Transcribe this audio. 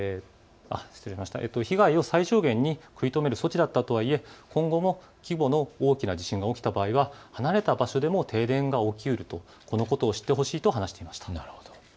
被害を最小限に食い止める措置だったとはいえ今後も規模の大きな地震が起きた場合は離れた場所でも停電が起きるということを知ってほしいと話していました。